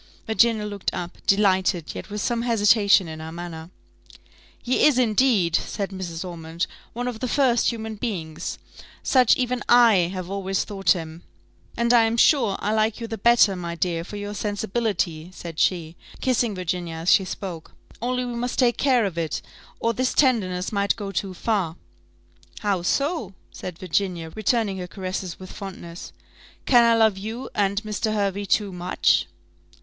Virginia looked up delighted, yet with some hesitation in her manner. "He is, indeed," said Mrs. Ormond, "one of the first of human beings: such even I have always thought him; and I am sure I like you the better, my dear, for your sensibility," said she, kissing Virginia as she spoke; "only we must take care of it, or this tenderness might go too far." "How so?" said Virginia, returning her caresses with fondness: "can I love you and Mr. Hervey too much?"